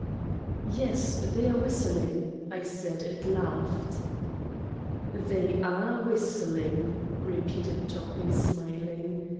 "Yes, they are whistling," I said and laughed. "They are whistling!" repeated Toppi smiling.